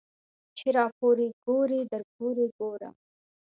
ـ چې راپورې ګورې درپورې ګورم.